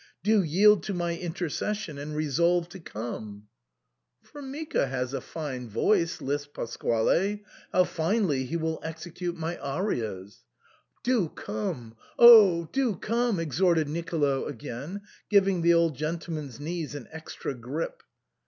Do yield to my intercession and resolve to come." SIGNOR FORMICA. 135 " Formica has a fine voice," lisped Pasquale. " How finely he will execute my arias." " Do come, oh ! do come !" exhorted Nicolo again, giving the old gentleman's knees an extra grip.